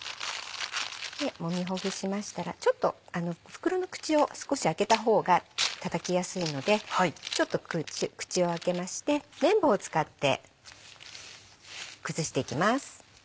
もみほぐしましたらちょっと袋の口を少し開けた方がたたきやすいのでちょっと口を開けまして麺棒を使って崩していきます。